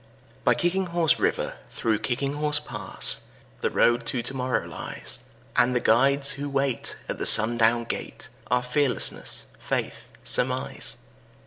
By Kicking Horse River, through Kicking Horse Pass, The Road to Tomorrow lies; And the guides who wait at the sundown gate Are Fearlessness, Faith, Surmise.